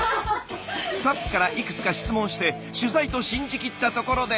スタッフからいくつか質問して取材と信じきったところで。